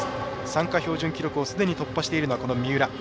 参加標準記録をすでに突破しているのは三浦。